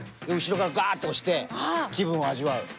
で後ろからガッて押して気分を味わう。